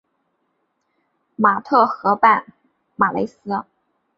马特河畔马雷斯。